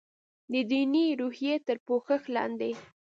د دیني روحیې تر پوښښ لاندې.